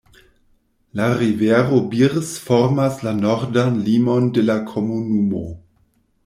La rivero Birs formas la nordan limon de la komunumo.